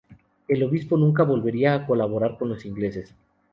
El obispo nunca volvería a colaborar con los ingleses.